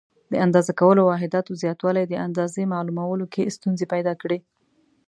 د اندازه کولو واحداتو زیاتوالي د اندازې معلومولو کې ستونزې پیدا کړې.